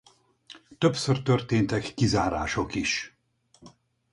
Többször történtek kizárások is.